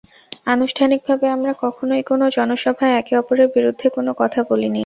আনুষ্ঠানিকভাবে আমরা কখনোই কোনো জনসভায় একে অপরের বিরুদ্ধে কোনো কথা বলিনি।